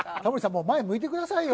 もう前向いてくださいよ。